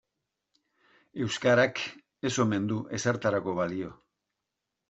Euskarak ez omen du ezertarako balio.